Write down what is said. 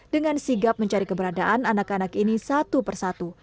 dengan sigap mencari keberadaan anak anak ini satu persatu